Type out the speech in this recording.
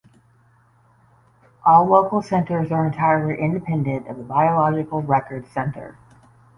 All local centres are entirely independent of the Biological Records Centre.